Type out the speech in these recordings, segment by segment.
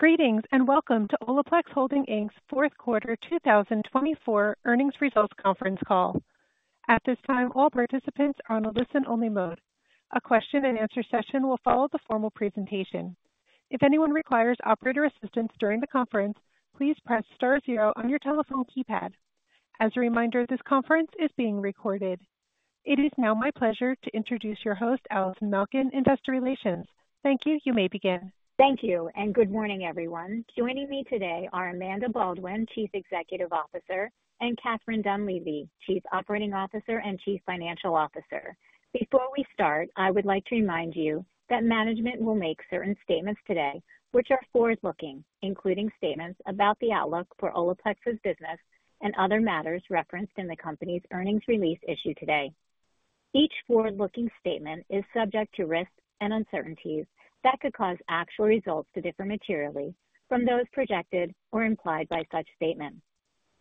Greetings and welcome to Olaplex Holdings' fourth quarter 2024 earnings results conference call. At this time, all participants are on a listen-only mode. A question-and-answer session will follow the formal presentation. If anyone requires operator assistance during the conference, please press star zero on your telephone keypad. As a reminder, this conference is being recorded. It is now my pleasure to introduce your host, Allison Malkin, Investor Relations. Thank you. You may begin. Thank you, and good morning, everyone. Joining me today are Amanda Baldwin, Chief Executive Officer, and Catherine Dunleavy, Chief Operating Officer and Chief Financial Officer. Before we start, I would like to remind you that management will make certain statements today, which are forward-looking, including statements about the outlook for Olaplex's business and other matters referenced in the company's earnings release issued today. Each forward-looking statement is subject to risks and uncertainties that could cause actual results to differ materially from those projected or implied by such statements.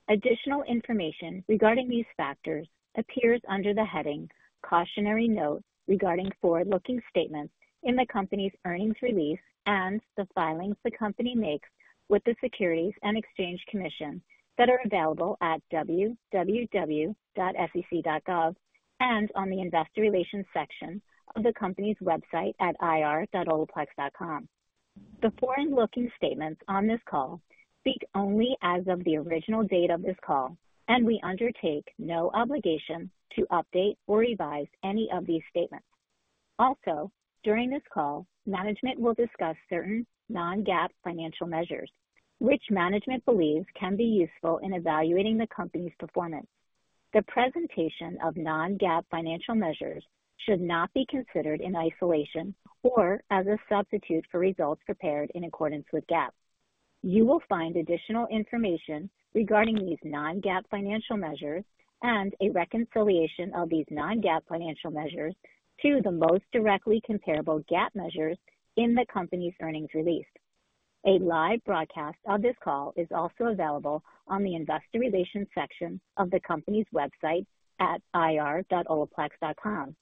Additional information regarding these factors appears under the heading "Cautionary Note Regarding Forward-Looking Statements" in the company's earnings release and the filings the company makes with the Securities and Exchange Commission that are available at www.sec.gov and on the Investor Relations section of the company's website at ir.olaplex.com. The forward-looking statements on this call speak only as of the original date of this call, and we undertake no obligation to update or revise any of these statements. Also, during this call, management will discuss certain non-GAAP financial measures, which management believes can be useful in evaluating the company's performance. The presentation of non-GAAP financial measures should not be considered in isolation or as a substitute for results prepared in accordance with GAAP. You will find additional information regarding these non-GAAP financial measures and a reconciliation of these non-GAAP financial measures to the most directly comparable GAAP measures in the company's earnings release. A live broadcast of this call is also available on the Investor Relations section of the company's website at ir.olaplex.com.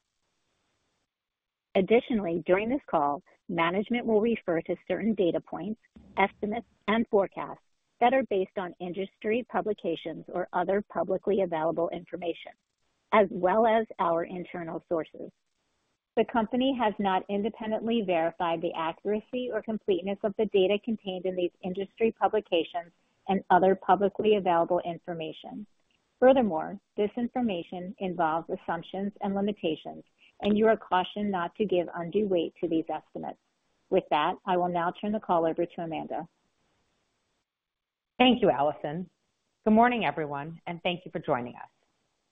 Additionally, during this call, management will refer to certain data points, estimates, and forecasts that are based on industry publications or other publicly available information, as well as our internal sources. The company has not independently verified the accuracy or completeness of the data contained in these industry publications and other publicly available information. Furthermore, this information involves assumptions and limitations, and you are cautioned not to give undue weight to these estimates. With that, I will now turn the call over to Amanda. Thank you, Allison. Good morning, everyone, and thank you for joining us.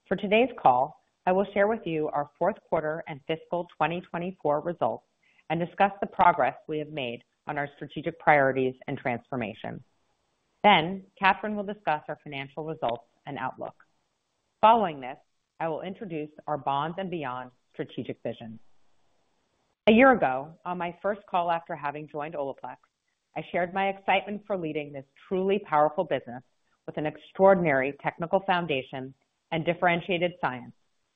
For today's call, I will share with you our fourth quarter and fiscal 2024 results and discuss the progress we have made on our strategic priorities and transformation. Catherine will discuss our financial results and outlook. Following this, I will introduce our Bonds and Beyond strategic vision. A year ago, on my first call after having joined Olaplex, I shared my excitement for leading this truly powerful business with an extraordinary technical foundation and differentiated science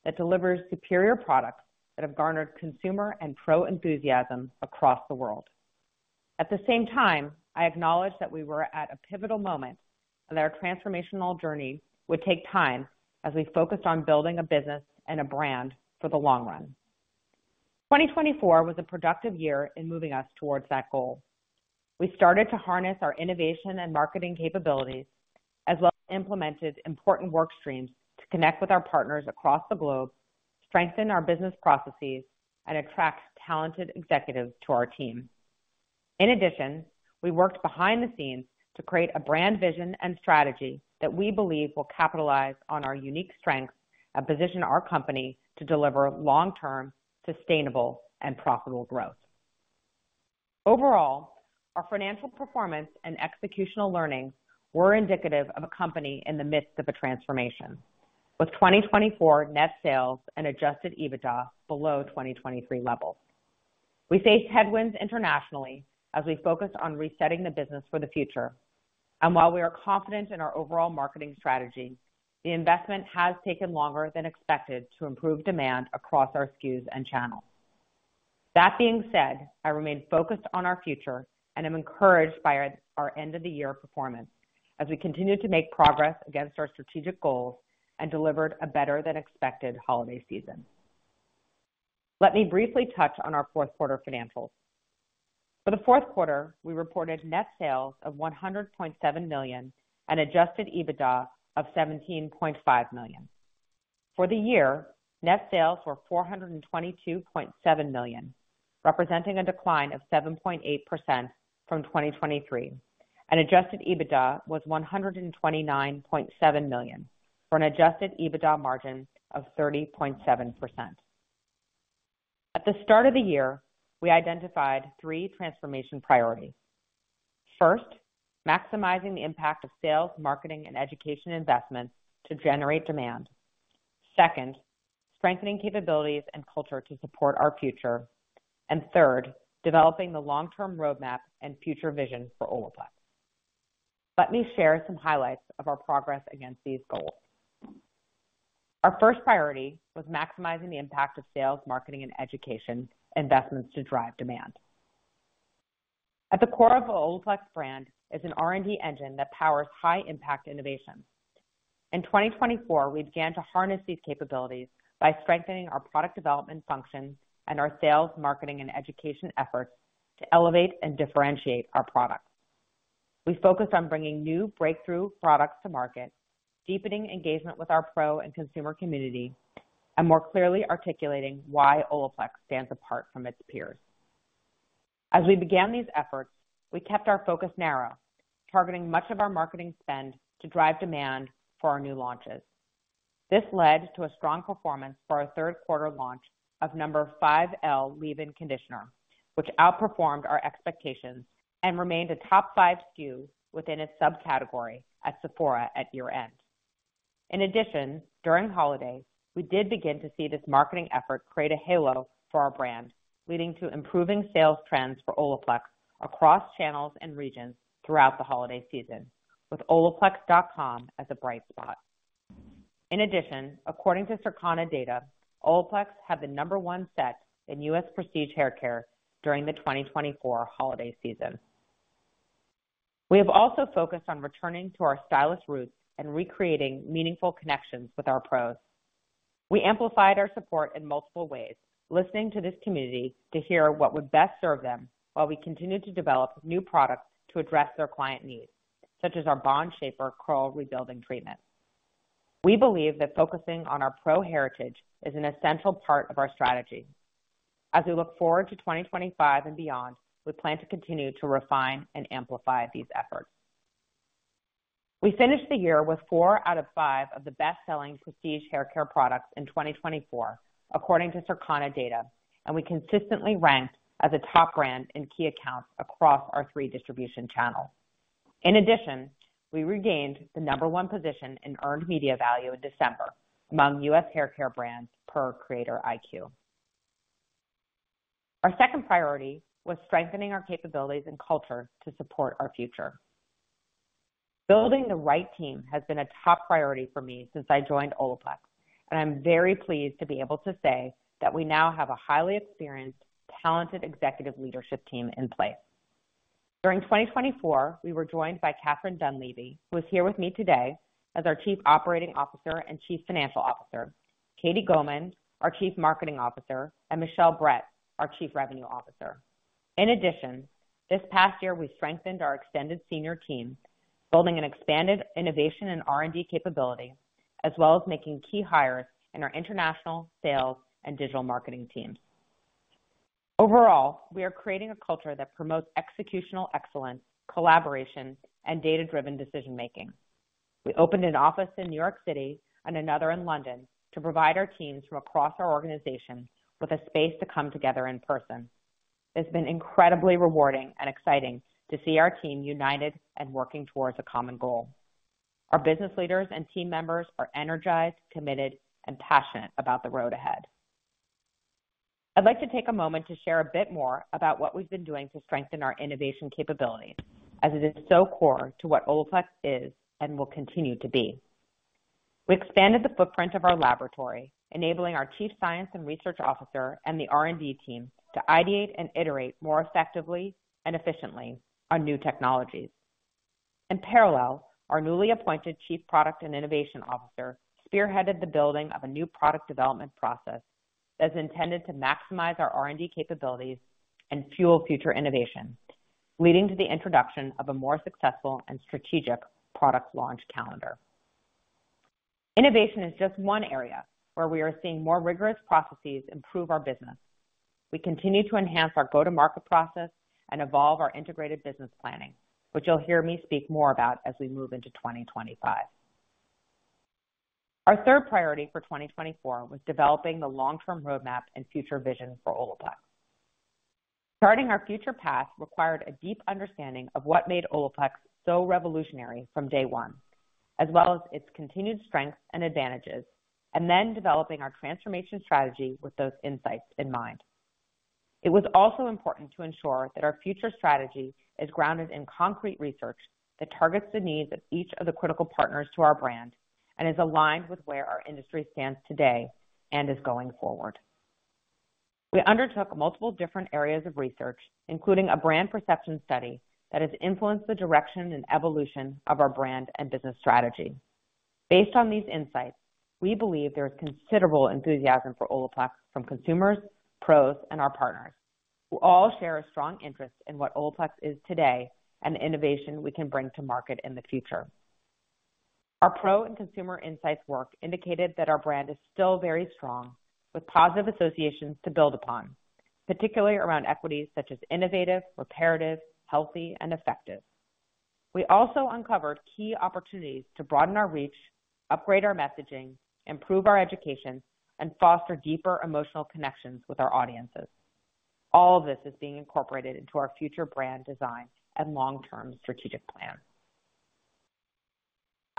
that delivers superior products that have garnered consumer and pro enthusiasm across the world. At the same time, I acknowledged that we were at a pivotal moment and that our transformational journey would take time as we focused on building a business and a brand for the long run. 2024 was a productive year in moving us towards that goal. We started to harness our innovation and marketing capabilities, as well as implemented important work streams to connect with our partners across the globe, strengthen our business processes, and attract talented executives to our team. In addition, we worked behind the scenes to create a brand vision and strategy that we believe will capitalize on our unique strengths and position our company to deliver long-term, sustainable, and profitable growth. Overall, our financial performance and executional learnings were indicative of a company in the midst of a transformation, with 2024 net sales and adjusted EBITDA below 2023 levels. We faced headwinds internationally as we focused on resetting the business for the future, and while we are confident in our overall marketing strategy, the investment has taken longer than expected to improve demand across our SKUs and channels. That being said, I remain focused on our future and am encouraged by our end-of-the-year performance as we continue to make progress against our strategic goals and delivered a better-than-expected holiday season. Let me briefly touch on our fourth quarter financials. For the fourth quarter, we reported net sales of $100.7 million and adjusted EBITDA of $17.5 million. For the year, net sales were $422.7 million, representing a decline of 7.8% from 2023, and adjusted EBITDA was $129.7 million for an adjusted EBITDA margin of 30.7%. At the start of the year, we identified three transformation priorities. First, maximizing the impact of sales, marketing, and education investments to generate demand. Second, strengthening capabilities and culture to support our future. Third, developing the long-term roadmap and future vision for Olaplex. Let me share some highlights of our progress against these goals. Our first priority was maximizing the impact of sales, marketing, and education investments to drive demand. At the core of the Olaplex brand is an R&D engine that powers high-impact innovation. In 2024, we began to harness these capabilities by strengthening our product development function and our sales, marketing, and education efforts to elevate and differentiate our products. We focused on bringing new breakthrough products to market, deepening engagement with our pro and consumer community, and more clearly articulating why Olaplex stands apart from its peers. As we began these efforts, we kept our focus narrow, targeting much of our marketing spend to drive demand for our new launches. This led to a strong performance for our third quarter launch of No. 5L Leave-In Conditioner, which outperformed our expectations and remained a top five SKU within its subcategory at Sephora at year-end. In addition, during holidays, we did begin to see this marketing effort create a halo for our brand, leading to improving sales trends for Olaplex across channels and regions throughout the holiday season, with Olaplex.com as a bright spot. In addition, according to Circana data, Olaplex had the number one set in U.S. prestige hair care during the 2024 holiday season. We have also focused on returning to our stylist roots and recreating meaningful connections with our pros. We amplified our support in multiple ways, listening to this community to hear what would best serve them while we continue to develop new products to address their client needs, such as our Bond Shaper Curl Rebuilding Treatment. We believe that focusing on our pro heritage is an essential part of our strategy. As we look forward to 2025 and beyond, we plan to continue to refine and amplify these efforts. We finished the year with four out of five of the best-selling prestige hair care products in 2024, according to Circana data, and we consistently ranked as a top brand in key accounts across our three distribution channels. In addition, we regained the number one position in earned media value in December among U.S. hair care brands per Creator IQ. Our second priority was strengthening our capabilities and culture to support our future. Building the right team has been a top priority for me since I joined Olaplex, and I'm very pleased to be able to say that we now have a highly experienced, talented executive leadership team in place. During 2024, we were joined by Catherine Dunleavy, who is here with me today as our Chief Operating Officer and Chief Financial Officer, Katie Gohman, our Chief Marketing Officer, and Michelle Bret, our Chief Revenue Officer. In addition, this past year, we strengthened our extended senior team, building an expanded innovation and R&D capability, as well as making key hires in our international sales and digital marketing teams. Overall, we are creating a culture that promotes executional excellence, collaboration, and data-driven decision-making. We opened an office in New York City and another in London to provide our teams from across our organization with a space to come together in person. It's been incredibly rewarding and exciting to see our team united and working towards a common goal. Our business leaders and team members are energized, committed, and passionate about the road ahead. I'd like to take a moment to share a bit more about what we've been doing to strengthen our innovation capabilities, as it is so core to what Olaplex is and will continue to be. We expanded the footprint of our laboratory, enabling our Chief Science and Research Officer and the R&D team to ideate and iterate more effectively and efficiently on new technologies. In parallel, our newly appointed Chief Product and Innovation Officer spearheaded the building of a new product development process that is intended to maximize our R&D capabilities and fuel future innovation, leading to the introduction of a more successful and strategic product launch calendar. Innovation is just one area where we are seeing more rigorous processes improve our business. We continue to enhance our go-to-market process and evolve our integrated business planning, which you'll hear me speak more about as we move into 2025. Our third priority for 2024 was developing the long-term roadmap and future vision for Olaplex. Starting our future path required a deep understanding of what made Olaplex so revolutionary from day one, as well as its continued strengths and advantages, and then developing our transformation strategy with those insights in mind. It was also important to ensure that our future strategy is grounded in concrete research that targets the needs of each of the critical partners to our brand and is aligned with where our industry stands today and is going forward. We undertook multiple different areas of research, including a brand perception study that has influenced the direction and evolution of our brand and business strategy. Based on these insights, we believe there is considerable enthusiasm for Olaplex from consumers, pros, and our partners, who all share a strong interest in what Olaplex is today and the innovation we can bring to market in the future. Our pro and consumer insights work indicated that our brand is still very strong, with positive associations to build upon, particularly around equities such as innovative, reparative, healthy, and effective. We also uncovered key opportunities to broaden our reach, upgrade our messaging, improve our education, and foster deeper emotional connections with our audiences. All of this is being incorporated into our future brand design and long-term strategic plan.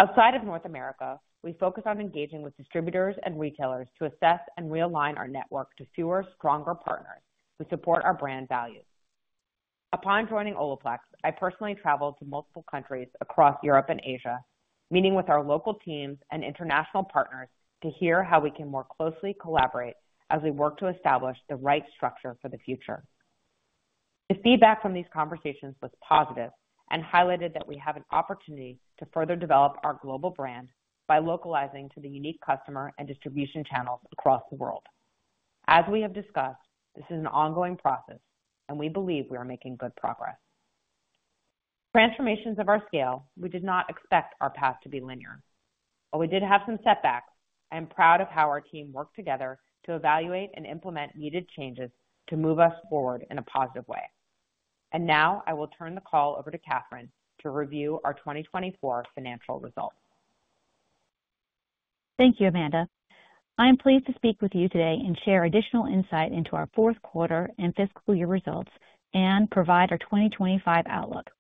Outside of North America, we focus on engaging with distributors and retailers to assess and realign our network to fewer, stronger partners who support our brand values. Upon joining Olaplex, I personally traveled to multiple countries across Europe and Asia, meeting with our local teams and international partners to hear how we can more closely collaborate as we work to establish the right structure for the future. The feedback from these conversations was positive and highlighted that we have an opportunity to further develop our global brand by localizing to the unique customer and distribution channels across the world. As we have discussed, this is an ongoing process, and we believe we are making good progress. For transformations of our scale, we did not expect our path to be linear. While we did have some setbacks, I am proud of how our team worked together to evaluate and implement needed changes to move us forward in a positive way. I will now turn the call over to Catherine to review our 2024 financial results. Thank you, Amanda. I am pleased to speak with you today and share additional insight into our fourth quarter and fiscal year results and provide our 2025 outlook.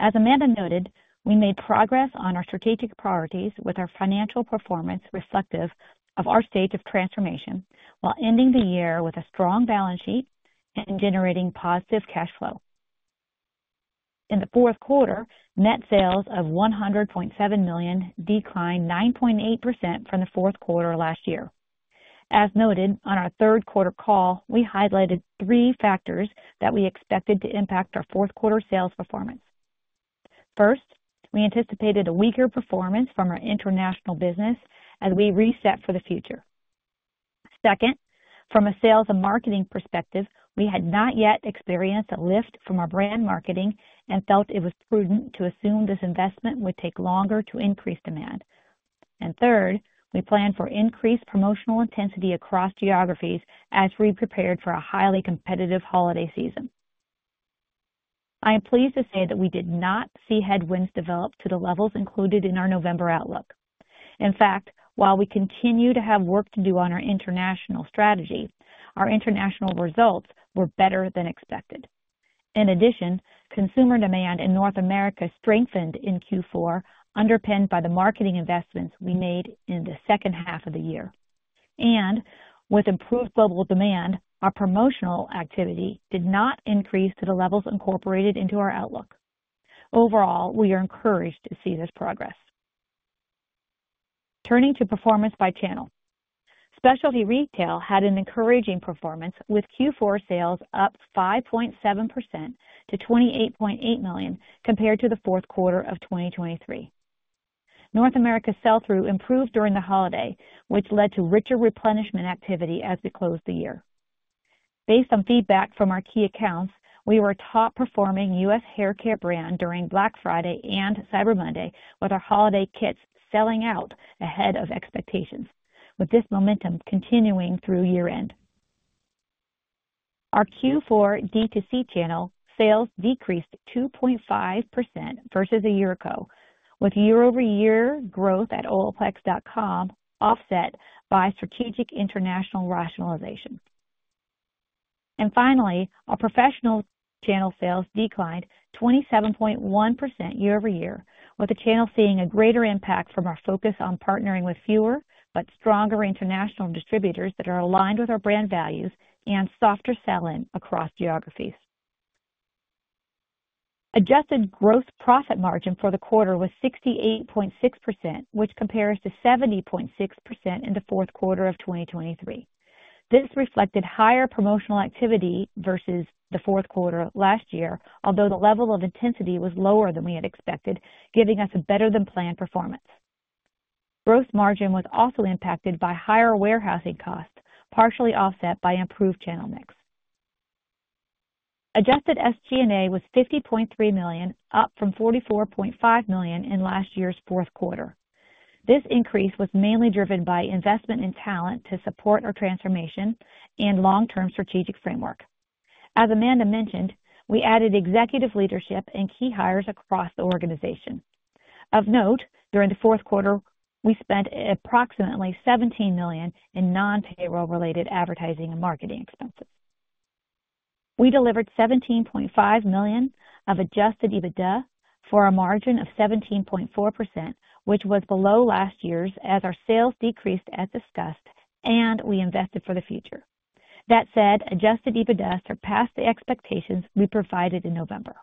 As Amanda noted, we made progress on our strategic priorities with our financial performance reflective of our stage of transformation, while ending the year with a strong balance sheet and generating positive cash flow. In the fourth quarter, net sales of $100.7 million declined 9.8% from the fourth quarter last year. As noted on our third quarter call, we highlighted three factors that we expected to impact our fourth quarter sales performance. First, we anticipated a weaker performance from our international business as we reset for the future. Second, from a sales and marketing perspective, we had not yet experienced a lift from our brand marketing and felt it was prudent to assume this investment would take longer to increase demand. Third, we planned for increased promotional intensity across geographies as we prepared for a highly competitive holiday season. I am pleased to say that we did not see headwinds develop to the levels included in our November outlook. In fact, while we continue to have work to do on our international strategy, our international results were better than expected. In addition, consumer demand in North America strengthened in Q4, underpinned by the marketing investments we made in the second half of the year. With improved global demand, our promotional activity did not increase to the levels incorporated into our outlook. Overall, we are encouraged to see this progress. Turning to performance by channel, specialty retail had an encouraging performance with Q4 sales up 5.7% to $28.8 million compared to the fourth quarter of 2023. North America's sell-through improved during the holiday, which led to richer replenishment activity as we closed the year. Based on feedback from our key accounts, we were a top-performing U.S. hair care brand during Black Friday and Cyber Monday, with our holiday kits selling out ahead of expectations, with this momentum continuing through year-end. Our Q4 D2C channel sales decreased 2.5% versus a year ago, with year-over-year growth at Olaplex.com offset by strategic international rationalization. Finally, our professional channel sales declined 27.1% year-over-year, with the channel seeing a greater impact from our focus on partnering with fewer but stronger international distributors that are aligned with our brand values and softer selling across geographies. Adjusted gross profit margin for the quarter was 68.6%, which compares to 70.6% in the fourth quarter of 2023. This reflected higher promotional activity versus the fourth quarter last year, although the level of intensity was lower than we had expected, giving us a better-than-planned performance. Gross margin was also impacted by higher warehousing costs, partially offset by improved channel mix. Adjusted SG&A was $50.3 million, up from $44.5 million in last year's fourth quarter. This increase was mainly driven by investment in talent to support our transformation and long-term strategic framework. As Amanda mentioned, we added executive leadership and key hires across the organization. Of note, during the fourth quarter, we spent approximately $17 million in non-payroll-related advertising and marketing expenses. We delivered $17.5 million of adjusted EBITDA for a margin of 17.4%, which was below last year's as our sales decreased as discussed, and we invested for the future. That said, adjusted EBITDA surpassed the expectations we provided in November.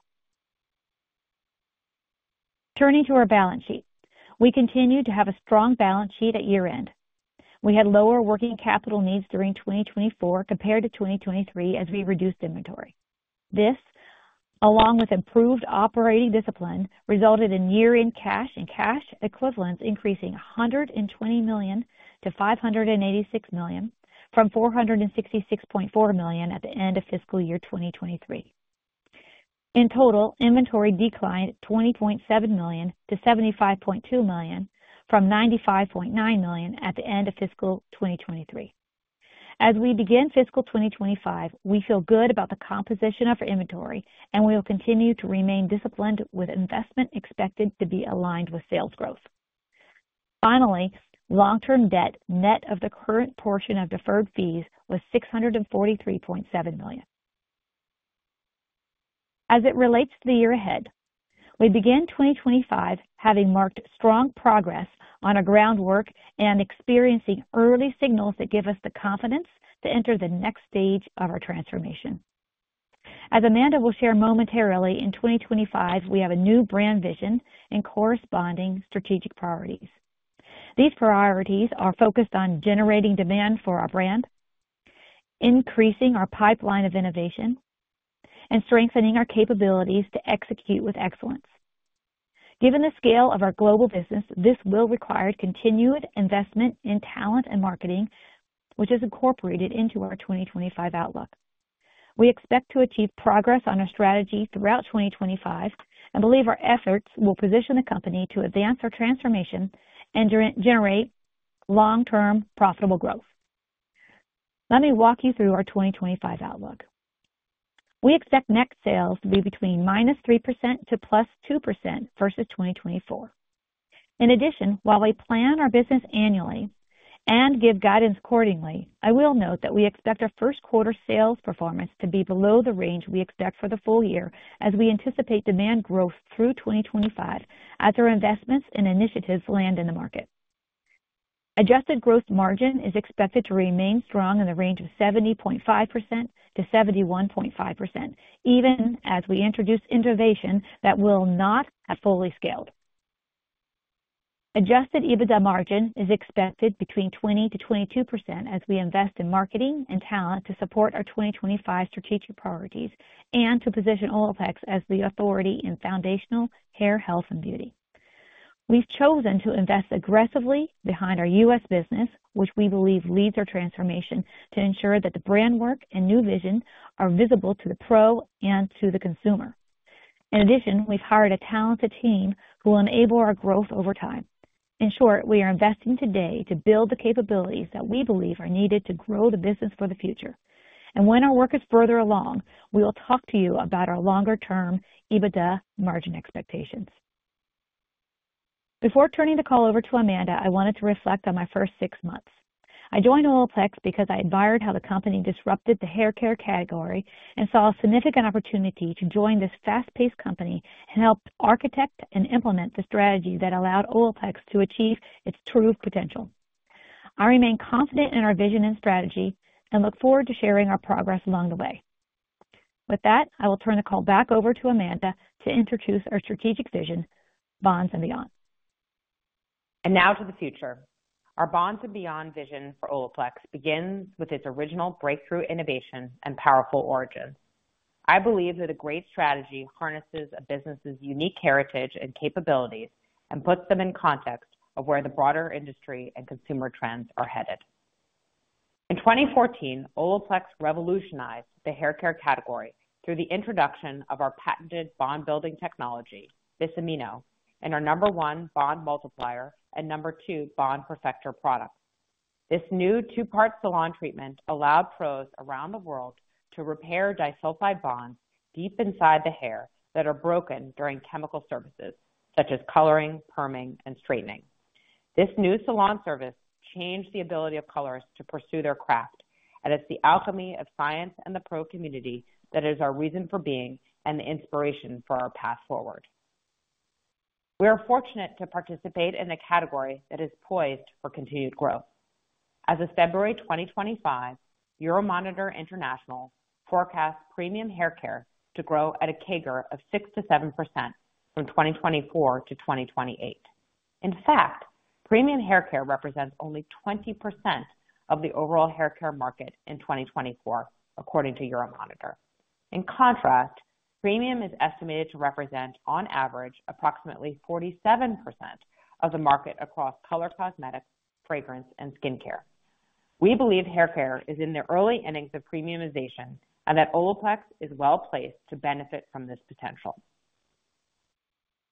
Turning to our balance sheet, we continue to have a strong balance sheet at year-end. We had lower working capital needs during 2024 compared to 2023 as we reduced inventory. This, along with improved operating discipline, resulted in year-end cash and cash equivalents increasing $120 million to $586 million from $466.4 million at the end of fiscal year 2023. In total, inventory declined $20.7 million to $75.2 million from $95.9 million at the end of fiscal 2023. As we begin fiscal 2025, we feel good about the composition of our inventory, and we will continue to remain disciplined with investment expected to be aligned with sales growth. Finally, long-term debt net of the current portion of deferred fees was $643.7 million. As it relates to the year ahead, we begin 2025 having marked strong progress on our groundwork and experiencing early signals that give us the confidence to enter the next stage of our transformation. As Amanda will share momentarily, in 2025, we have a new brand vision and corresponding strategic priorities. These priorities are focused on generating demand for our brand, increasing our pipeline of innovation, and strengthening our capabilities to execute with excellence. Given the scale of our global business, this will require continued investment in talent and marketing, which is incorporated into our 2025 outlook. We expect to achieve progress on our strategy throughout 2025 and believe our efforts will position the company to advance our transformation and generate long-term profitable growth. Let me walk you through our 2025 outlook. We expect net sales to be between -3% to +2% versus 2024. In addition, while we plan our business annually and give guidance accordingly, I will note that we expect our first quarter sales performance to be below the range we expect for the full year as we anticipate demand growth through 2025 as our investments and initiatives land in the market. Adjusted gross margin is expected to remain strong in the range of 70.5%-71.5%, even as we introduce innovation that will not have fully scaled. Adjusted EBITDA margin is expected between 20%-22% as we invest in marketing and talent to support our 2025 strategic priorities and to position Olaplex as the authority in foundational hair, health, and beauty. We've chosen to invest aggressively behind our U.S. business, which we believe leads our transformation to ensure that the brand work and new vision are visible to the pro and to the consumer. In addition, we've hired a talented team who will enable our growth over time. In short, we are investing today to build the capabilities that we believe are needed to grow the business for the future. When our work is further along, we will talk to you about our longer-term EBITDA margin expectations. Before turning the call over to Amanda, I wanted to reflect on my first six months. I joined Olaplex because I admired how the company disrupted the hair care category and saw a significant opportunity to join this fast-paced company and help architect and implement the strategy that allowed Olaplex to achieve its true potential. I remain confident in our vision and strategy and look forward to sharing our progress along the way. With that, I will turn the call back over to Amanda to introduce our strategic vision, Bonds and Beyond. Now to the future. Our Bonds and Beyond vision for Olaplex begins with its original breakthrough innovation and powerful origins. I believe that a great strategy harnesses a business's unique heritage and capabilities and puts them in context of where the broader industry and consumer trends are headed. In 2014, Olaplex revolutionized the hair care category through the introduction of our patented bond-building technology, Bisamino, and our No. 1 Bond Multiplier and No. 2 Bond Perfector product. This new two-part salon treatment allowed pros around the world to repair disulfide bonds deep inside the hair that are broken during chemical services such as coloring, perming, and straightening. This new salon service changed the ability of colorists to pursue their craft, and it's the alchemy of science and the pro community that is our reason for being and the inspiration for our path forward. We are fortunate to participate in a category that is poised for continued growth. As of February 2025, Euromonitor International forecasts premium hair care to grow at a CAGR of 6%-7% from 2024 to 2028. In fact, premium hair care represents only 20% of the overall hair care market in 2024, according to Euromonitor. In contrast, premium is estimated to represent, on average, approximately 47% of the market across color, cosmetics, fragrance, and skincare. We believe hair care is in the early innings of premiumization and that Olaplex is well placed to benefit from this potential.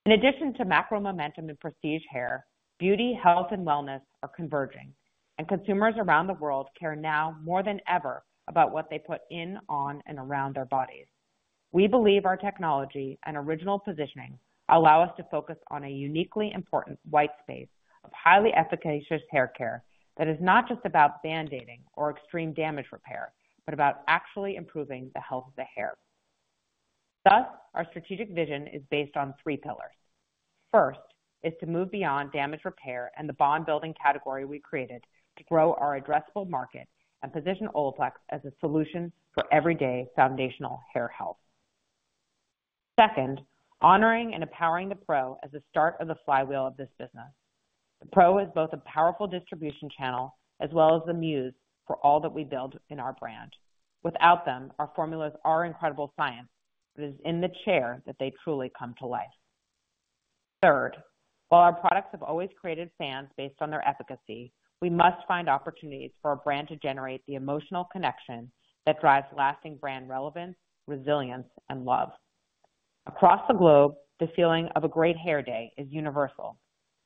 In addition to macro momentum in prestige hair, beauty, health, and wellness are converging, and consumers around the world care now more than ever about what they put in, on, and around their bodies. We believe our technology and original positioning allow us to focus on a uniquely important white space of highly efficacious hair care that is not just about band-aiding or extreme damage repair, but about actually improving the health of the hair. Thus, our strategic vision is based on three pillars. First is to move beyond damage repair and the bond-building category we created to grow our addressable market and position Olaplex as a solution for everyday foundational hair health. Second, honoring and empowering the pro as the start of the flywheel of this business. The pro is both a powerful distribution channel as well as the muse for all that we build in our brand. Without them, our formulas are incredible science, but it is in the chair that they truly come to life. Third, while our products have always created fans based on their efficacy, we must find opportunities for our brand to generate the emotional connection that drives lasting brand relevance, resilience, and love. Across the globe, the feeling of a great hair day is universal,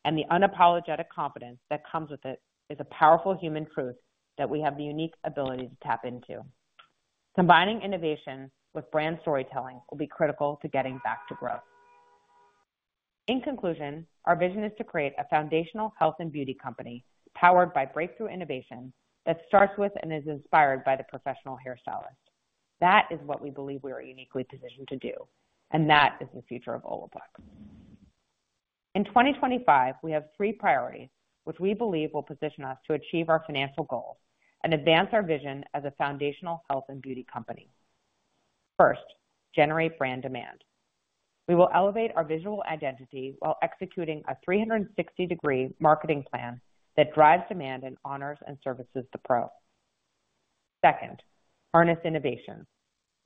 and the unapologetic confidence that comes with it is a powerful human truth that we have the unique ability to tap into. Combining innovation with brand storytelling will be critical to getting back to growth. In conclusion, our vision is to create a foundational health and beauty company powered by breakthrough innovation that starts with and is inspired by the professional hair stylist. That is what we believe we are uniquely positioned to do, and that is the future of Olaplex. In 2025, we have three priorities which we believe will position us to achieve our financial goals and advance our vision as a foundational health and beauty company. First, generate brand demand. We will elevate our visual identity while executing a 360-degree marketing plan that drives demand and honors and services the pro. Second, harness innovation.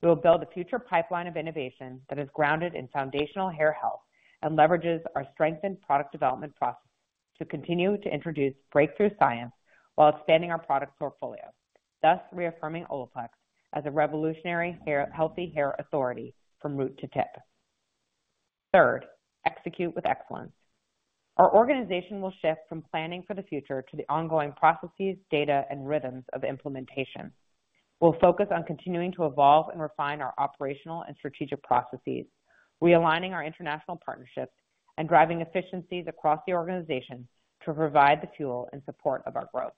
We will build a future pipeline of innovation that is grounded in foundational hair health and leverages our strengthened product development process to continue to introduce breakthrough science while expanding our product portfolio, thus reaffirming Olaplex as a revolutionary healthy hair authority from root to tip. Third, execute with excellence. Our organization will shift from planning for the future to the ongoing processes, data, and rhythms of implementation. We'll focus on continuing to evolve and refine our operational and strategic processes, realigning our international partnerships and driving efficiencies across the organization to provide the fuel and support of our growth.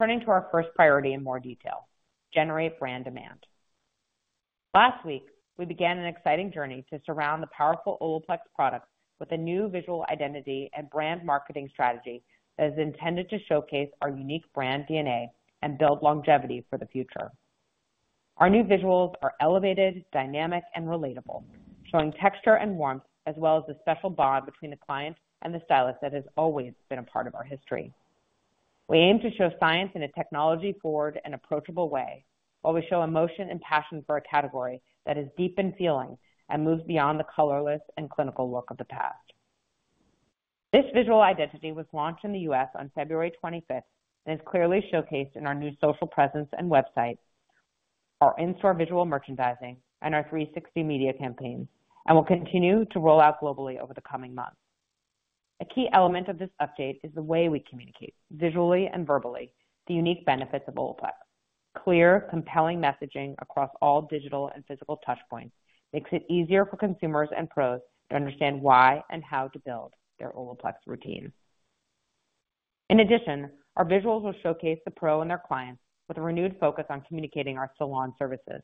Turning to our first priority in more detail, generate brand demand. Last week, we began an exciting journey to surround the powerful Olaplex product with a new visual identity and brand marketing strategy that is intended to showcase our unique brand DNA and build longevity for the future. Our new visuals are elevated, dynamic, and relatable, showing texture and warmth as well as the special bond between the client and the stylist that has always been a part of our history. We aim to show science and technology forward in an approachable way while we show emotion and passion for a category that is deep in feeling and moves beyond the colorless and clinical look of the past. This visual identity was launched in the U.S. on February 25th and is clearly showcased in our new social presence and website, our in-store visual merchandising, and our 360 media campaigns, and will continue to roll out globally over the coming months. A key element of this update is the way we communicate visually and verbally the unique benefits of Olaplex. Clear, compelling messaging across all digital and physical touchpoints makes it easier for consumers and pros to understand why and how to build their Olaplex routine. In addition, our visuals will showcase the pro and their clients with a renewed focus on communicating our salon services.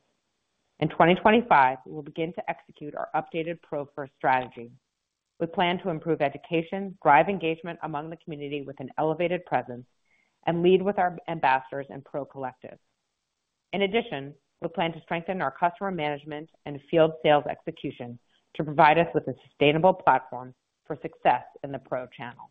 In 2025, we will begin to execute our updated pro-first strategy. We plan to improve education, drive engagement among the community with an elevated presence, and lead with our ambassadors and pro collectives. In addition, we plan to strengthen our customer management and field sales execution to provide us with a sustainable platform for success in the pro channel.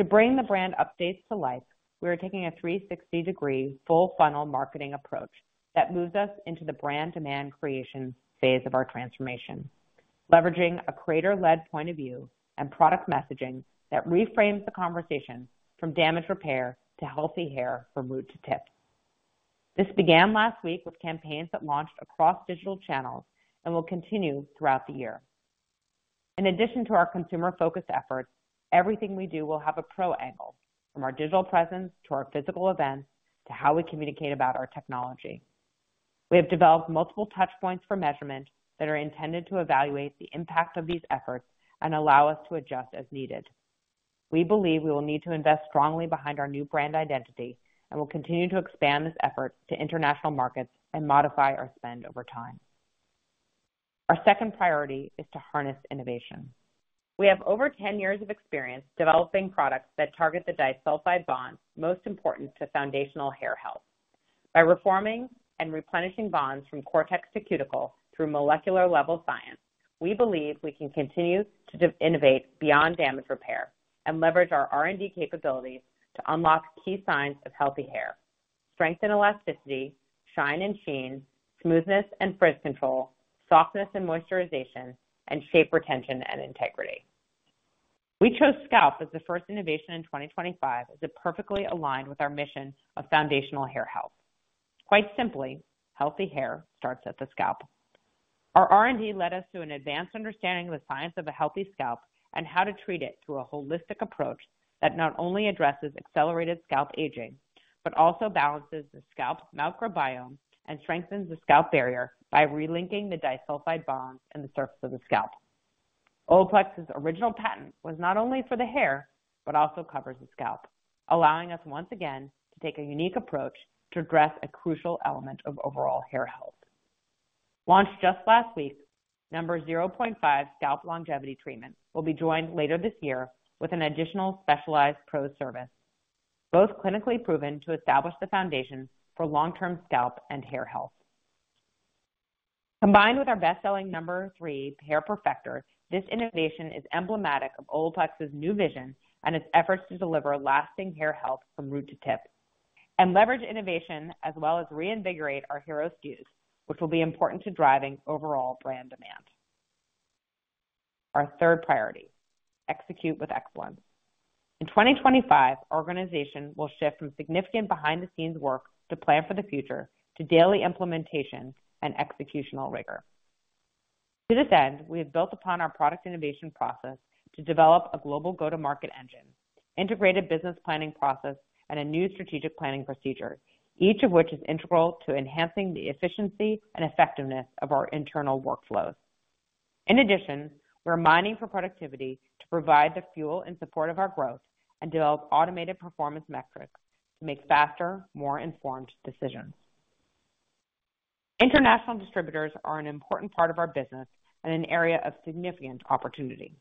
To bring the brand updates to life, we are taking a 360-degree full-funnel marketing approach that moves us into the brand demand creation phase of our transformation, leveraging a creator-led point of view and product messaging that reframes the conversation from damage repair to healthy hair from root to tip. This began last week with campaigns that launched across digital channels and will continue throughout the year. In addition to our consumer-focused efforts, everything we do will have a pro angle, from our digital presence to our physical events to how we communicate about our technology. We have developed multiple touchpoints for measurement that are intended to evaluate the impact of these efforts and allow us to adjust as needed. We believe we will need to invest strongly behind our new brand identity and will continue to expand this effort to international markets and modify our spend over time. Our second priority is to harness innovation. We have over 10 years of experience developing products that target the disulfide bonds most important to foundational hair health. By reforming and replenishing bonds from cortex to cuticle through molecular-level science, we believe we can continue to innovate beyond damage repair and leverage our R&D capabilities to unlock key signs of healthy hair: strength and elasticity, shine and sheen, smoothness and frizz control, softness and moisturization, and shape retention and integrity. We chose scalp as the first innovation in 2025 as it perfectly aligned with our mission of foundational hair health. Quite simply, healthy hair starts at the scalp. Our R&D led us to an advanced understanding of the science of a healthy scalp and how to treat it through a holistic approach that not only addresses accelerated scalp aging, but also balances the scalp microbiome and strengthens the scalp barrier by relinking the disulfide bonds and the surface of the scalp. Olaplex's original patent was not only for the hair, but also covers the scalp, allowing us once again to take a unique approach to address a crucial element of overall hair health. Launched just last week, No. 0.5 Scalp Longevity Treatment will be joined later this year with an additional specialized pro service, both clinically proven to establish the foundation for long-term scalp and hair health. Combined with our best-selling No. 3 Hair Perfector, this innovation is emblematic of Olaplex's new vision and its efforts to deliver lasting hair health from root to tip and leverage innovation as well as reinvigorate our hero SKUs, which will be important to driving overall brand demand. Our third priority: execute with excellence. In 2025, our organization will shift from significant behind-the-scenes work to plan for the future to daily implementation and executional rigor. To this end, we have built upon our product innovation process to develop a global go-to-market engine, integrated business planning process, and a new strategic planning procedure, each of which is integral to enhancing the efficiency and effectiveness of our internal workflows. In addition, we're mining for productivity to provide the fuel in support of our growth and develop automated performance metrics to make faster, more informed decisions. International distributors are an important part of our business and an area of significant opportunity.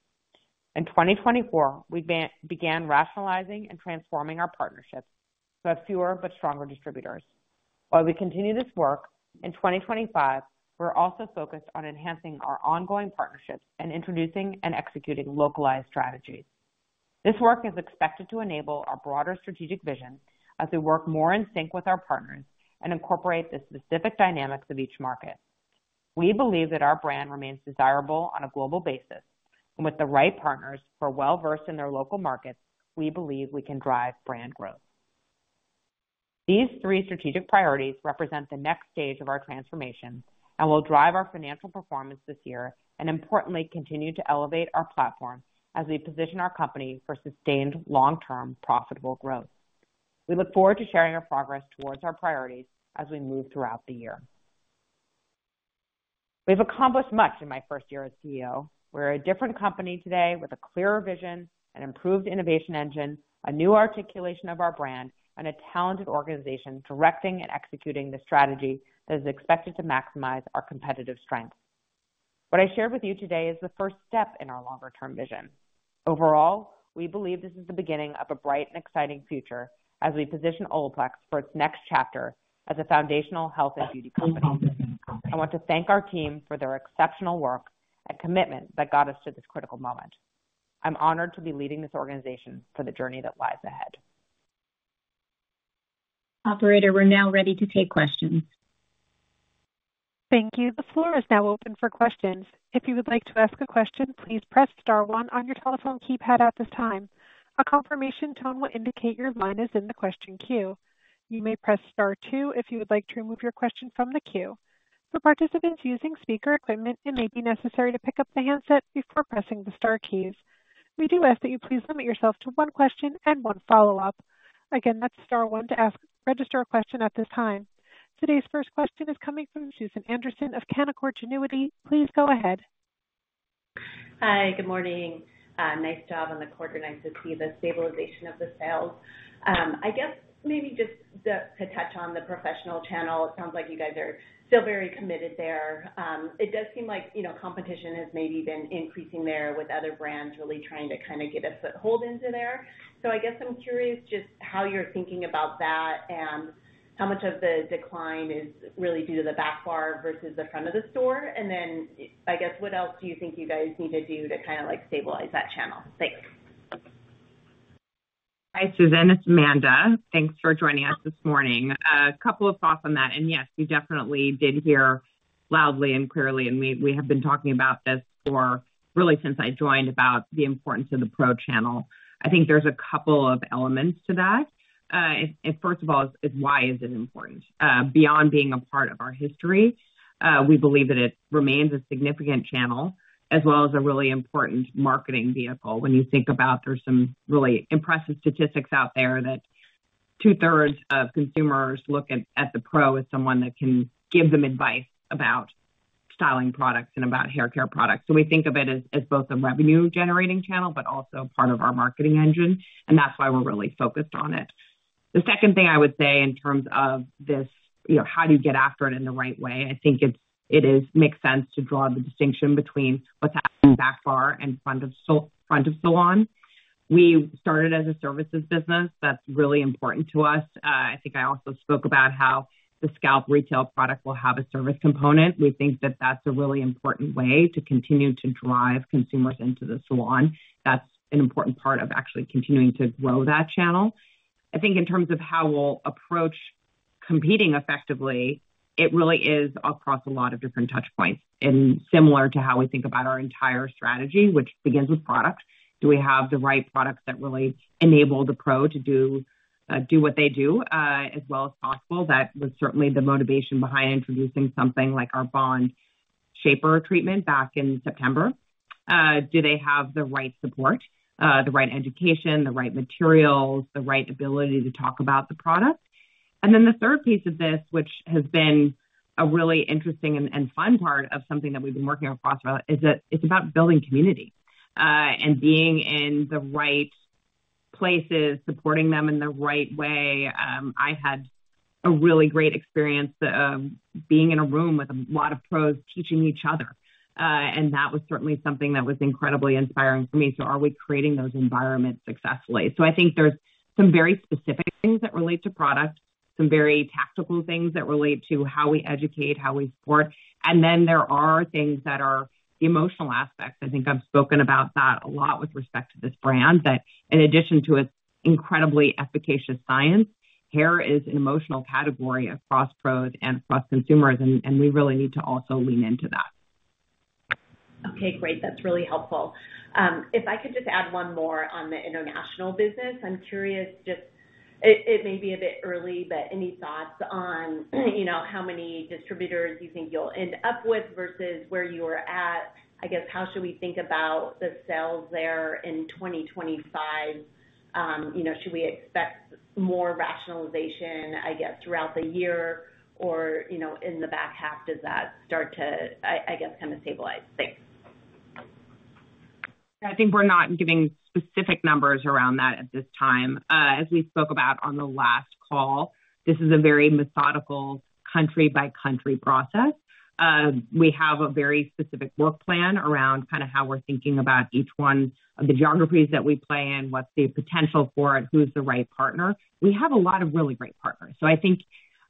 In 2024, we began rationalizing and transforming our partnerships to have fewer but stronger distributors. While we continue this work, in 2025, we're also focused on enhancing our ongoing partnerships and introducing and executing localized strategies. This work is expected to enable our broader strategic vision as we work more in sync with our partners and incorporate the specific dynamics of each market. We believe that our brand remains desirable on a global basis, and with the right partners who are well-versed in their local markets, we believe we can drive brand growth. These three strategic priorities represent the next stage of our transformation and will drive our financial performance this year and, importantly, continue to elevate our platform as we position our company for sustained long-term profitable growth. We look forward to sharing our progress towards our priorities as we move throughout the year. We've accomplished much in my first year as CEO. We're a different company today with a clearer vision, an improved innovation engine, a new articulation of our brand, and a talented organization directing and executing the strategy that is expected to maximize our competitive strength. What I shared with you today is the first step in our longer-term vision. Overall, we believe this is the beginning of a bright and exciting future as we position Olaplex for its next chapter as a foundational health and beauty company. I want to thank our team for their exceptional work and commitment that got us to this critical moment. I'm honored to be leading this organization for the journey that lies ahead. Operator, we're now ready to take questions. Thank you. The floor is now open for questions. If you would like to ask a question, please press star one on your telephone keypad at this time. A confirmation tone will indicate your line is in the question queue. You may press star two if you would like to remove your question from the queue. For participants using speaker equipment, it may be necessary to pick up the handset before pressing the star keys. We do ask that you please limit yourself to one question and one follow-up. Again, that's star one to register a question at this time. Today's first question is coming from Susan Anderson of Canaccord Genuity. Please go ahead. Hi, good morning. Nice job on the quarter. Nice to see the stabilization of the sales. I guess maybe just to touch on the professional channel, it sounds like you guys are still very committed there. It does seem like competition has maybe been increasing there with other brands really trying to kind of get a foothold into there. I guess I'm curious just how you're thinking about that and how much of the decline is really due to the back bar versus the front of the store. I guess what else do you think you guys need to do to kind of stabilize that channel? Thanks. Hi, Susan. It's Amanda. Thanks for joining us this morning. A couple of thoughts on that. Yes, you definitely did hear loudly and clearly, and we have been talking about this for really since I joined about the importance of the pro channel. I think there's a couple of elements to that. First of all, why is it important? Beyond being a part of our history, we believe that it remains a significant channel as well as a really important marketing vehicle. When you think about it, there are some really impressive statistics out there that two-thirds of consumers look at the pro as someone that can give them advice about styling products and about hair care products. We think of it as both a revenue-generating channel, but also part of our marketing engine, and that is why we are really focused on it. The second thing I would say in terms of this, how do you get after it in the right way? I think it makes sense to draw the distinction between what is happening back bar and front of salon. We started as a services business. That is really important to us. I think I also spoke about how the scalp retail product will have a service component. We think that that's a really important way to continue to drive consumers into the salon. That's an important part of actually continuing to grow that channel. I think in terms of how we'll approach competing effectively, it really is across a lot of different touchpoints. Similar to how we think about our entire strategy, which begins with product, do we have the right products that really enable the pro to do what they do as well as possible? That was certainly the motivation behind introducing something like our Bond Shaper treatment back in September. Do they have the right support, the right education, the right materials, the right ability to talk about the product? The third piece of this, which has been a really interesting and fun part of something that we've been working across, is that it's about building community and being in the right places, supporting them in the right way. I had a really great experience being in a room with a lot of pros teaching each other, and that was certainly something that was incredibly inspiring for me. Are we creating those environments successfully? I think there's some very specific things that relate to product, some very tactical things that relate to how we educate, how we support. There are things that are the emotional aspects. I think I've spoken about that a lot with respect to this brand that in addition to its incredibly efficacious science, hair is an emotional category across pros and across consumers, and we really need to also lean into that. Okay, great. That's really helpful. If I could just add one more on the international business, I'm curious, just it may be a bit early, but any thoughts on how many distributors you think you'll end up with versus where you are at? I guess how should we think about the sales there in 2025? Should we expect more rationalization, I guess, throughout the year or in the back half? Does that start to, I guess, kind of stabilize things? I think we're not giving specific numbers around that at this time. As we spoke about on the last call, this is a very methodical country-by-country process. We have a very specific work plan around kind of how we're thinking about each one of the geographies that we play in, what's the potential for it, who's the right partner. We have a lot of really great partners. I think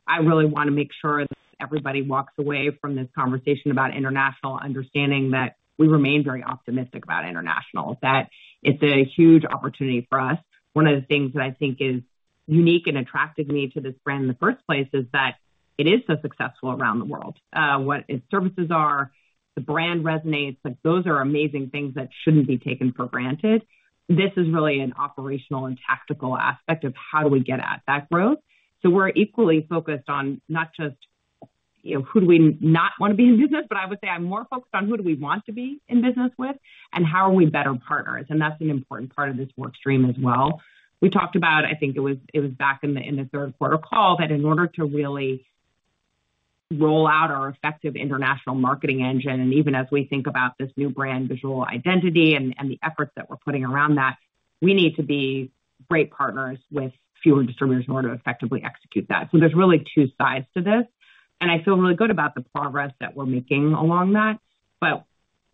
I really want to make sure that everybody walks away from this conversation about international understanding that we remain very optimistic about international, that it's a huge opportunity for us. One of the things that I think is unique and attracted me to this brand in the first place is that it is so successful around the world. What its services are, the brand resonates, those are amazing things that shouldn't be taken for granted. This is really an operational and tactical aspect of how do we get at that growth. We're equally focused on not just who do we not want to be in business, but I would say I'm more focused on who do we want to be in business with and how are we better partners. That's an important part of this workstream as well. We talked about, I think it was back in the third quarter call, that in order to really roll out our effective international marketing engine, and even as we think about this new brand visual identity and the efforts that we're putting around that, we need to be great partners with fewer distributors in order to effectively execute that. There's really two sides to this. I feel really good about the progress that we're making along that.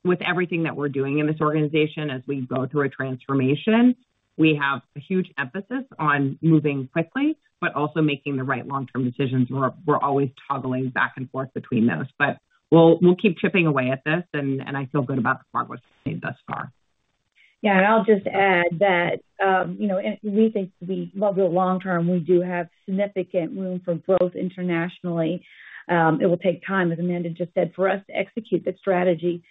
With everything that we're doing in this organization, as we go through a transformation, we have a huge emphasis on moving quickly, but also making the right long-term decisions. We're always toggling back and forth between those. We'll keep chipping away at this, and I feel good about the progress we've made thus far. Yeah, I'll just add that we think we will go long-term. We do have significant room for growth internationally. It will take time, as Amanda just said, for us to execute the strategy.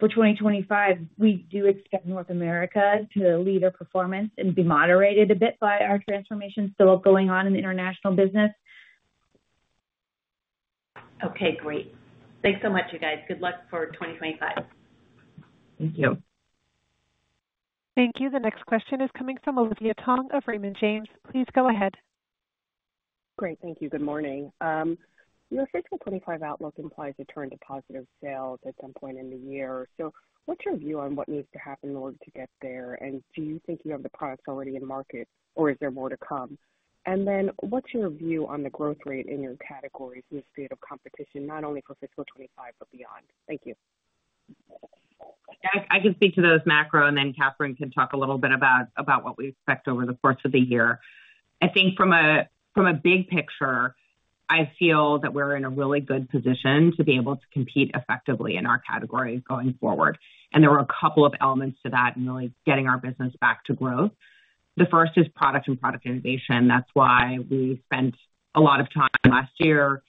For 2025, we do expect North America to lead our performance and be moderated a bit by our transformation still going on in the international business. Okay, great. Thanks so much, you guys. Good luck for 2025. Thank you. Thank you. The next question is coming from Olivia Tong of Raymond James. Please go ahead. Great. Thank you. Good morning. Your fiscal 2025 outlook implies a turn to positive sales at some point in the year. What is your view on what needs to happen in order to get there? Do you think you have the products already in market, or is there more to come? What is your view on the growth rate in your categories and the state of competition, not only for fiscal 2025, but beyond? Thank you. I can speak to those macro, and then Catherine can talk a little bit about what we expect over the course of the year. I think from a big picture, I feel that we are in a really good position to be able to compete effectively in our categories going forward. There are a couple of elements to that in really getting our business back to growth. The first is product and product innovation. That's why we spent a lot of time last year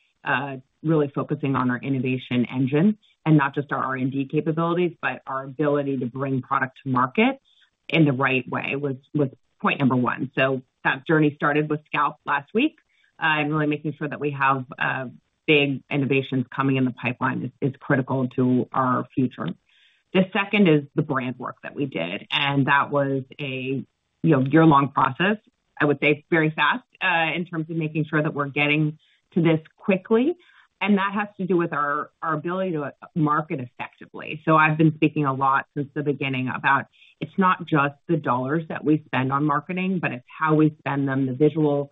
really focusing on our innovation engine and not just our R&D capabilities, but our ability to bring product to market in the right way was point number one. That journey started with scalp last week. Really making sure that we have big innovations coming in the pipeline is critical to our future. The second is the brand work that we did. That was a year-long process, I would say very fast in terms of making sure that we're getting to this quickly. That has to do with our ability to market effectively. I've been speaking a lot since the beginning about it's not just the dollars that we spend on marketing, but it's how we spend them, the visuals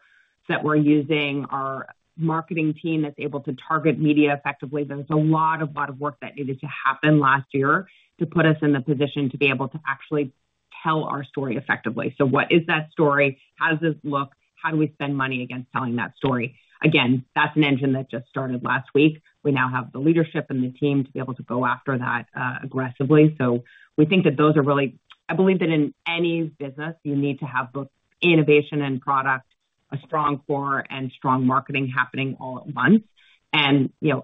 that we're using, our marketing team that's able to target media effectively. There's a lot of work that needed to happen last year to put us in the position to be able to actually tell our story effectively. What is that story? How does this look? How do we spend money against telling that story? Again, that's an engine that just started last week. We now have the leadership and the team to be able to go after that aggressively. We think that those are really, I believe that in any business, you need to have both innovation and product, a strong core and strong marketing happening all at once.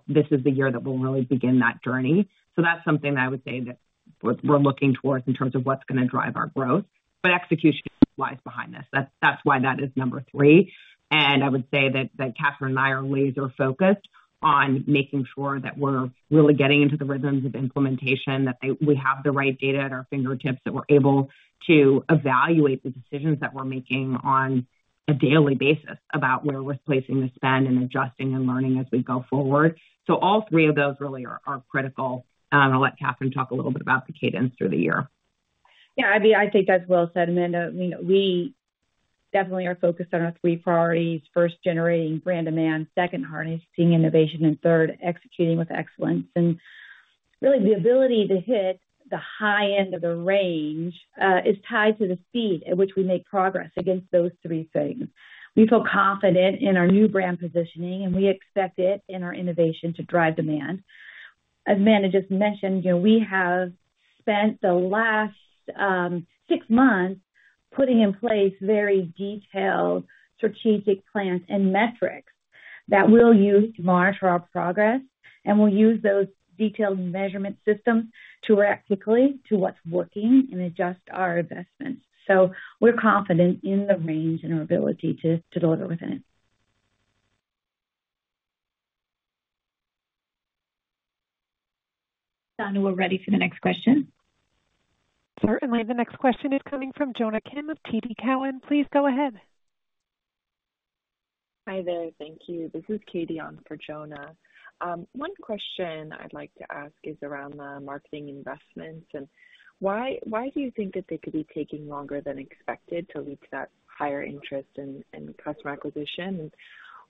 This is the year that we'll really begin that journey. That's something that I would say that we're looking towards in terms of what's going to drive our growth. Execution lies behind this. That's why that is number three. I would say that Catherine and I are laser-focused on making sure that we're really getting into the rhythms of implementation, that we have the right data at our fingertips, that we're able to evaluate the decisions that we're making on a daily basis about where we're placing the spend and adjusting and learning as we go forward. All three of those really are critical. I'll let Catherine talk a little bit about the cadence through the year. Yeah, I mean, I think that's well said, Amanda. We definitely are focused on our three priorities: first, generating brand demand; second, harnessing innovation; and third, executing with excellence. Really, the ability to hit the high end of the range is tied to the speed at which we make progress against those three things. We feel confident in our new brand positioning, and we expect it in our innovation to drive demand. As Amanda just mentioned, we have spent the last six months putting in place very detailed strategic plans and metrics that we'll use to monitor our progress. We'll use those detailed measurement systems to react quickly to what's working and adjust our investments. We are confident in the range and our ability to deliver within it. Donna, we're ready for the next question. Certainly. The next question is coming from Jonah Kim of TD Cowen. Please go ahead. Hi there. Thank you. This is Katie on for Jonah. One question I'd like to ask is around the marketing investments. Why do you think that they could be taking longer than expected to reach that higher interest in customer acquisition?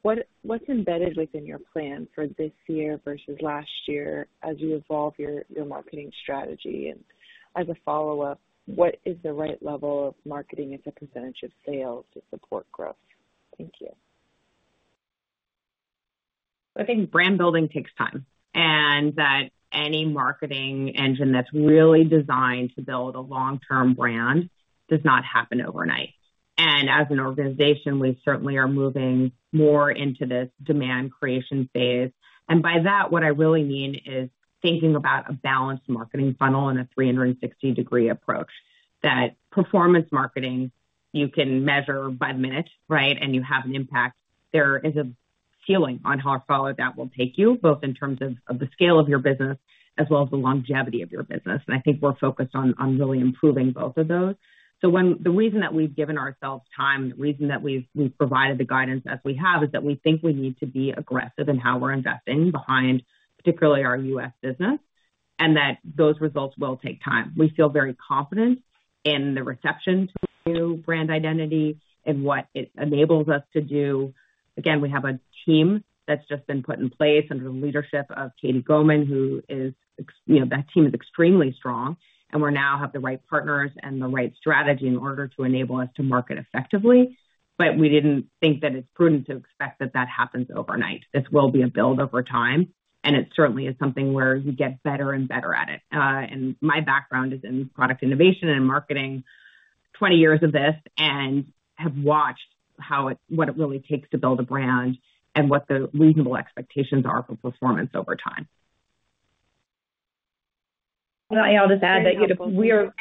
What is embedded within your plan for this year versus last year as you evolve your marketing strategy? As a follow-up, what is the right level of marketing as a percentage of sales to support growth? Thank you. I think brand building takes time. Any marketing engine that is really designed to build a long-term brand does not happen overnight. As an organization, we certainly are moving more into this demand creation phase. By that, what I really mean is thinking about a balanced marketing funnel and a 360-degree approach. Performance marketing, you can measure by the minute, right? You have an impact. There is a feeling on how far that will take you, both in terms of the scale of your business as well as the longevity of your business. I think we are focused on really improving both of those. The reason that we've given ourselves time, the reason that we've provided the guidance as we have, is that we think we need to be aggressive in how we're investing behind particularly our U.S. business, and that those results will take time. We feel very confident in the reception to new brand identity and what it enables us to do. Again, we have a team that's just been put in place under the leadership of Katie Gohman, who is that team is extremely strong. We now have the right partners and the right strategy in order to enable us to market effectively. We didn't think that it's prudent to expect that that happens overnight. This will be a build over time. It certainly is something where you get better and better at it. My background is in product innovation and marketing, 20 years of this, and have watched what it really takes to build a brand and what the reasonable expectations are for performance over time. I'll just add that you're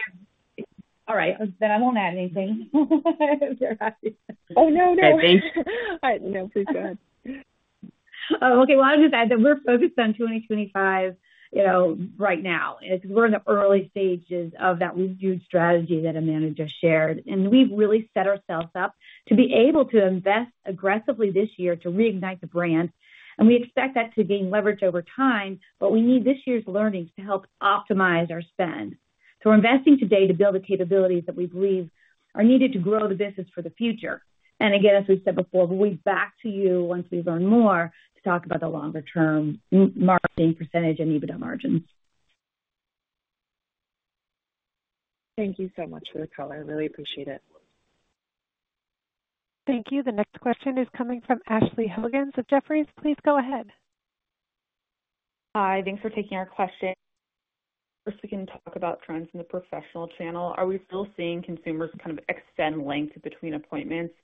all right. Then I won't add anything. You're happy. Oh, no, no. Thank you. All right. No, please go ahead. I'll just add that we're focused on 2025 right now. We're in the early stages of that huge strategy that Amanda just shared. We've really set ourselves up to be able to invest aggressively this year to reignite the brand. We expect that to gain leverage over time, but we need this year's learnings to help optimize our spend. We're investing today to build the capabilities that we believe are needed to grow the business for the future. As we said before, we'll be back to you once we learn more to talk about the longer-term marketing percentage and EBITDA margins. Thank you so much for the call. I really appreciate it. Thank you. The next question is coming from Ashley Hogans of Jefferies. Please go ahead. Hi. Thanks for taking our question. First, we can talk about trends in the professional channel. Are we still seeing consumers kind of extend length between appointments?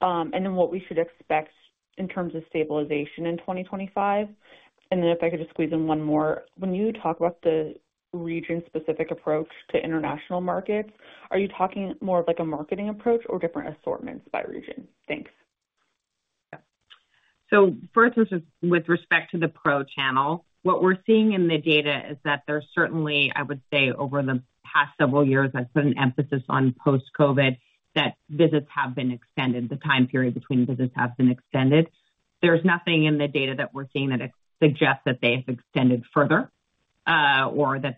What should we expect in terms of stabilization in 2025? If I could just squeeze in one more, when you talk about the region-specific approach to international markets, are you talking more of a marketing approach or different assortments by region? Thanks. Yeah. First, with respect to the pro channel, what we're seeing in the data is that there's certainly, I would say, over the past several years, I've put an emphasis on post-COVID that visits have been extended, the time period between visits has been extended. There's nothing in the data that we're seeing that suggests that they have extended further or that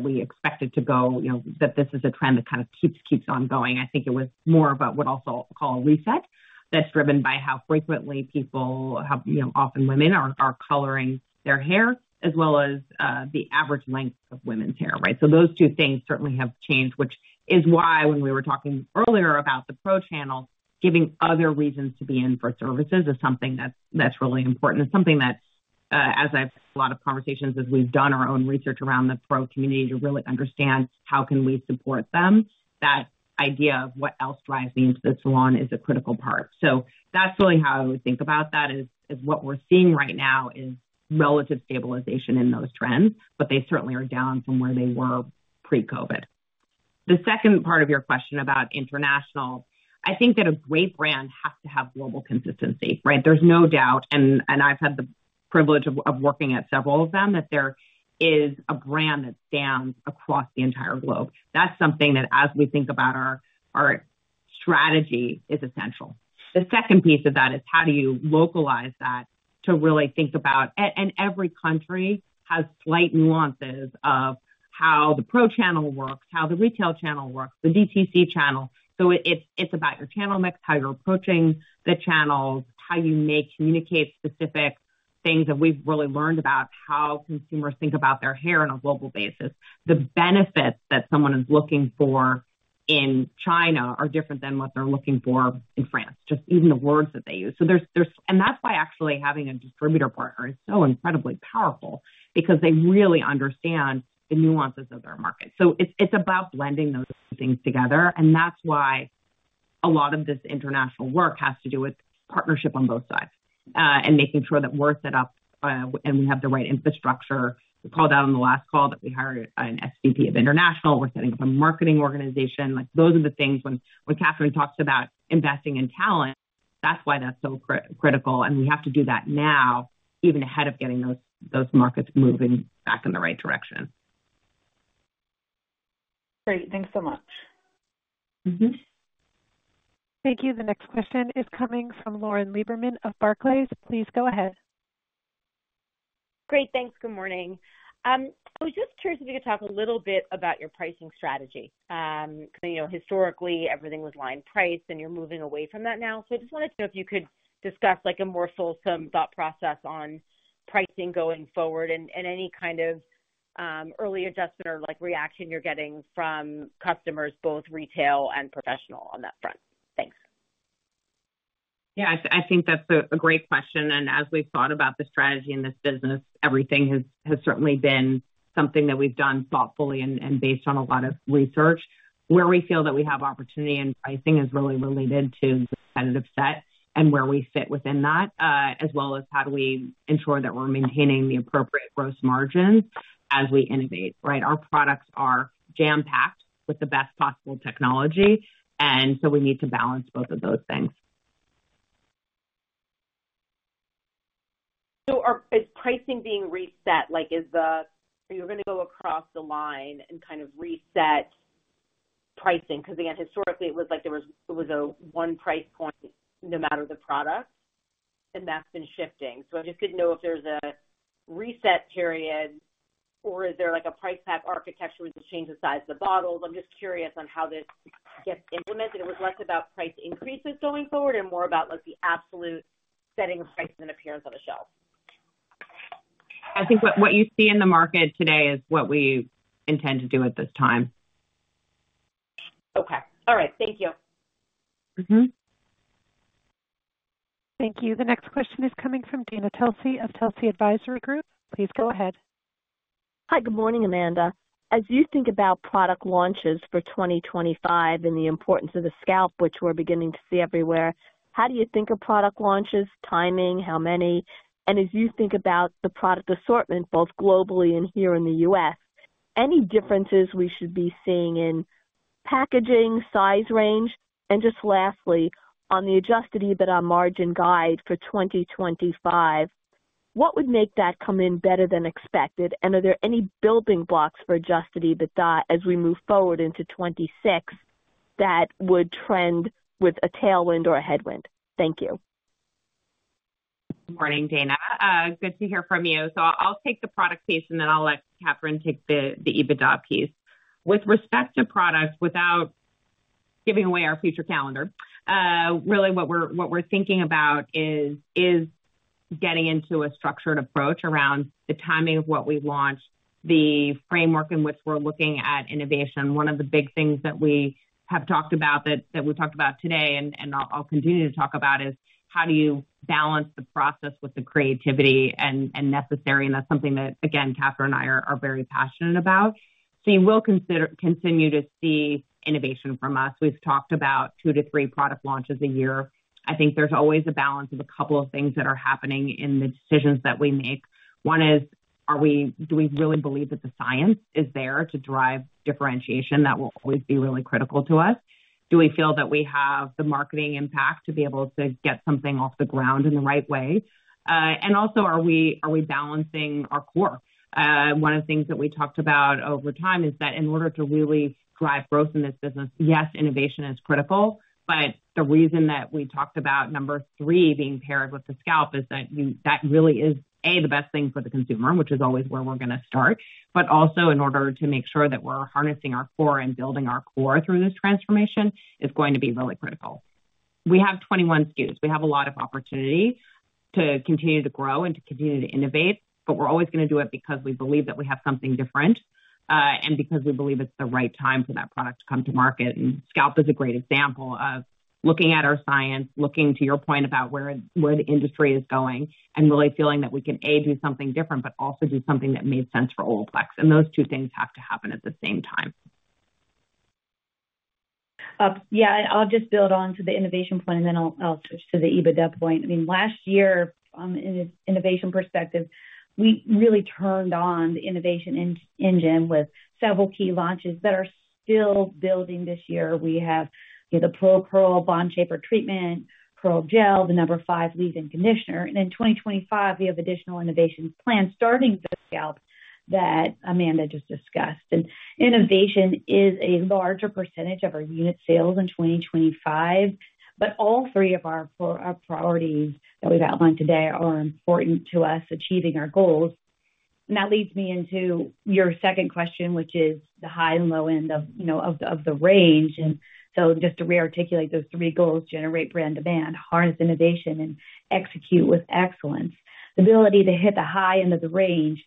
we expect it to go, that this is a trend that kind of keeps on going. I think it was more of what I would also call a reset that's driven by how frequently people, how often women are coloring their hair, as well as the average length of women's hair, right? Those two things certainly have changed, which is why when we were talking earlier about the pro channel, giving other reasons to be in for services is something that's really important. It's something that, as I've had a lot of conversations as we've done our own research around the pro community to really understand how can we support them, that idea of what else drives me into the salon is a critical part. That's really how I would think about that is what we're seeing right now is relative stabilization in those trends, but they certainly are down from where they were pre-COVID. The second part of your question about international, I think that a great brand has to have global consistency, right? There's no doubt, and I've had the privilege of working at several of them, that there is a brand that stands across the entire globe. That's something that, as we think about our strategy, is essential. The second piece of that is how do you localize that to really think about, and every country has slight nuances of how the pro channel works, how the retail channel works, the D2C channel. It is about your channel mix, how you're approaching the channels, how you communicate specific things that we've really learned about how consumers think about their hair on a global basis. The benefits that someone is looking for in China are different than what they're looking for in France, just even the words that they use. That is why actually having a distributor partner is so incredibly powerful because they really understand the nuances of their market. It is about blending those things together. That is why a lot of this international work has to do with partnership on both sides and making sure that we're set up and we have the right infrastructure. We called out on the last call that we hired an SVP of international. We're setting up a marketing organization. Those are the things when Catherine talks about investing in talent, that's why that's so critical. We have to do that now, even ahead of getting those markets moving back in the right direction. Great. Thanks so much. Thank you. The next question is coming from Lauren Lieberman of Barclays. Please go ahead. Great. Thanks. Good morning. I was just curious if you could talk a little bit about your pricing strategy because historically, everything was line-priced, and you're moving away from that now. I just wanted to know if you could discuss a more fulsome thought process on pricing going forward and any kind of early adjustment or reaction you're getting from customers, both retail and professional, on that front. Thanks. Yeah. I think that's a great question. As we've thought about the strategy in this business, everything has certainly been something that we've done thoughtfully and based on a lot of research. Where we feel that we have opportunity in pricing is really related to the competitive set and where we fit within that, as well as how do we ensure that we're maintaining the appropriate gross margins as we innovate, right? Our products are jam-packed with the best possible technology. We need to balance both of those things. Is pricing being reset? Are you going to go across the line and kind of reset pricing? Because again, historically, it was like there was a one price point no matter the product, and that's been shifting. I just didn't know if there's a reset period, or is there a price pack architecture where you change the size of the bottles? I'm just curious on how this gets implemented. It was less about price increases going forward and more about the absolute setting of prices and appearance on the shelf. I think what you see in the market today is what we intend to do at this time. Okay. All right. Thank you. Thank you. The next question is coming from Dana Telsey of Telsey Advisory Group. Please go ahead. Hi. Good morning, Amanda. As you think about product launches for 2025 and the importance of the scalp, which we're beginning to see everywhere, how do you think of product launches, timing, how many? As you think about the product assortment, both globally and here in the U.S., any differences we should be seeing in packaging, size range? Lastly, on the adjusted EBITDA margin guide for 2025, what would make that come in better than expected? Are there any building blocks for adjusted EBITDA as we move forward into 2026 that would trend with a tailwind or a headwind? Thank you. Good morning, Dana. Good to hear from you. I'll take the product piece, and then I'll let Catherine take the EBITDA piece. With respect to products, without giving away our future calendar, really what we're thinking about is getting into a structured approach around the timing of what we launch, the framework in which we're looking at innovation. One of the big things that we have talked about that we talked about today, and I'll continue to talk about, is how do you balance the process with the creativity and necessary? That is something that, again, Catherine and I are very passionate about. You will continue to see innovation from us. We've talked about two to three product launches a year. I think there's always a balance of a couple of things that are happening in the decisions that we make. One is, do we really believe that the science is there to drive differentiation? That will always be really critical to us. Do we feel that we have the marketing impact to be able to get something off the ground in the right way? Also, are we balancing our core? One of the things that we talked about over time is that in order to really drive growth in this business, yes, innovation is critical. The reason that we talked about number three being paired with the scalp is that that really is, A, the best thing for the consumer, which is always where we're going to start, but also in order to make sure that we're harnessing our core and building our core through this transformation is going to be really critical. We have 21 SKUs. We have a lot of opportunity to continue to grow and to continue to innovate, but we're always going to do it because we believe that we have something different and because we believe it's the right time for that product to come to market. Scalp is a great example of looking at our science, looking to your point about where the industry is going, and really feeling that we can, A, do something different, but also do something that made sense for Olaplex. Those two things have to happen at the same time. Yeah. I'll just build on to the innovation point, and then I'll switch to the EBITDA point. I mean, last year, from an innovation perspective, we really turned on the innovation engine with several key launches that are still building this year. We have the Pro Curl Bond Shaper Treatment, Curl Gel, the No. 5L Leave-In Conditioner. In 2025, we have additional innovations planned starting the scalp that Amanda just discussed. Innovation is a larger percentage of our unit sales in 2025, but all three of our priorities that we've outlined today are important to us achieving our goals. That leads me into your second question, which is the high and low end of the range. Just to rearticulate those three goals: generate brand demand, harness innovation, and execute with excellence. The ability to hit the high end of the range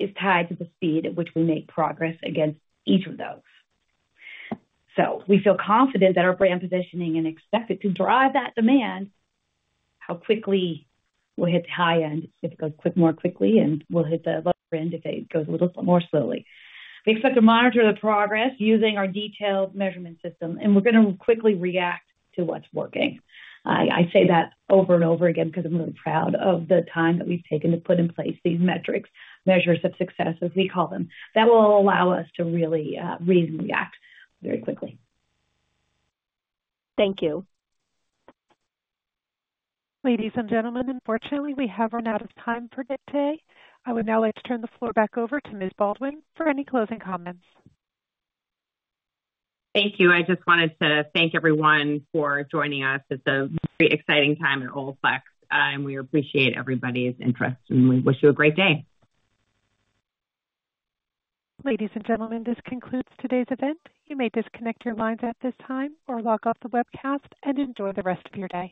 is tied to the speed at which we make progress against each of those. We feel confident that our brand positioning and expect it to drive that demand. How quickly will it hit the high end if it goes more quickly, and will it hit the low end if it goes a little more slowly? We expect to monitor the progress using our detailed measurement system, and we're going to quickly react to what's working. I say that over and over again because I'm really proud of the time that we've taken to put in place these metrics, measures of success, as we call them. That will allow us to really reasonably act very quickly. Thank you. Ladies and gentlemen, unfortunately, we have run out of time for today. I would now like to turn the floor back over to Ms. Baldwin for any closing comments. Thank you. I just wanted to thank everyone for joining us. It's a very exciting time at Olaplex, and we appreciate everybody's interest, and we wish you a great day. Ladies and gentlemen, this concludes today's event. You may disconnect your lines at this time or log off the webcast and enjoy the rest of your day.